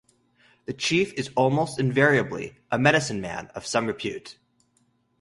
The chief is almost invariably a medicine-man of some repute.